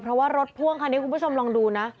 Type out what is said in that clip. เพราะว่ารถพ่วงคันนี้คุณผู้ชมลองดูนะ